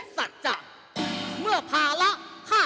เสาคำยันอาวุธิ